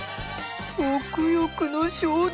食欲の衝動！